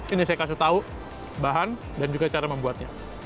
ini saya kasih tahu bahan dan juga cara membuatnya